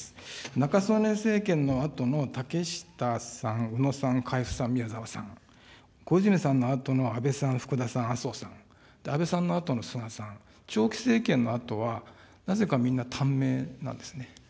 中曽根政権のあとの竹下さん、宇野さん、海部さん、宮沢さん、小泉さんのあとの安倍さん、福田さん、麻生さん、安倍さんのあとの菅さん、長期政権のあとは、なぜかみんな短命なんですね。